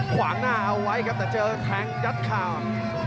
ขวางหน้าเอาไว้ครับแต่เจอแทงยัดข่าว